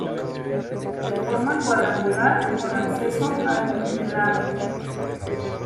De forma cuadrangular, con acceso adintelado.